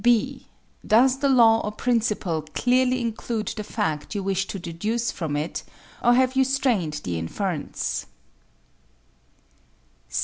(b) Does the law or principle clearly include the fact you wish to deduce from it, or have you strained the inference?